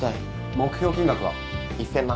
目標金額は？１，０００万。